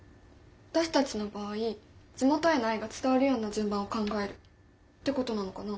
私たちの場合地元への愛が伝わるような順番を考えるってことなのかな。